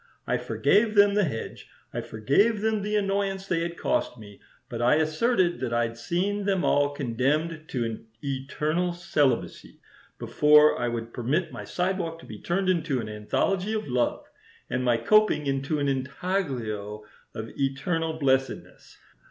I forgave them the hedge; I forgave them the annoyance they had cost me, but I asserted that I'd see them all condemned to eternal celibacy before I would permit my sidewalk to be turned into an anthology of love, and my coping into an intaglio of eternal blessedness.